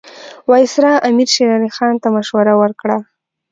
وایسرا امیر شېر علي خان ته مشوره ورکړه.